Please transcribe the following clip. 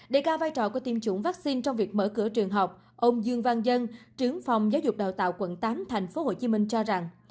để cao vai trò của tiêm chủng vaccine trong việc mở cửa trường học ông dương văn dân trưởng phòng giáo dục đào tạo quận tám tp hcm cho rằng